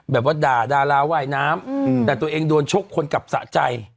แบบว่าด่าดาราว่ายน้ำแต่ตัวเองโดนชกคนกลับสะใจ